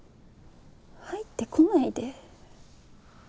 入ってこないで。